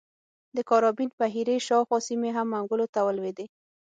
د کارابین بحیرې شاوخوا سیمې هم منګولو ته ولوېدې.